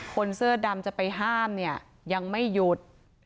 คนเสื้อดำจะไปห้ามเนี่ยยังไม่หยุด